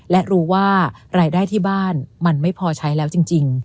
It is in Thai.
และรู้ว่ารายได้ที่บ้านมันไม่พอใช้แล้วจริง